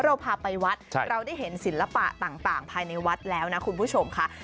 เราพาไปวัดเราได้เห็นศิลปะต่างภายในวัดแล้วนะคุณผู้ชมค่ะ